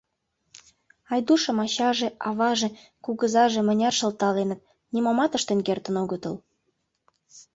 Айдушым ачаже, аваже, кугызаже мыняр шылталеныт, нимомат ыштен кертын огытыл.